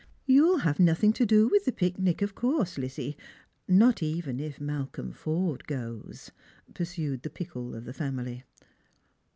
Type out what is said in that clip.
" You'll have nothing to do with the picnic, of course, Lizzie, not even if Malcolm Forde goes," pursued the " Pickle " of the family.